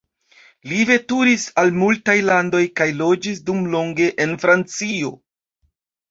Li veturis al multaj landoj kaj loĝis dumlonge en Francio.